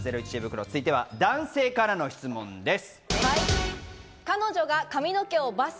続いては男性からの質問です。